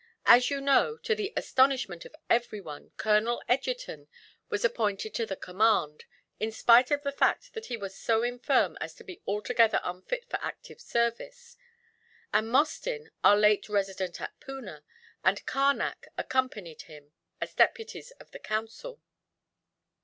As you know, to the astonishment of everyone Colonel Egerton was appointed to the command, in spite of the fact that he was so infirm as to be altogether unfit for active service; and Mostyn, our late Resident at Poona, and Carnac accompanied him as deputies of the Council."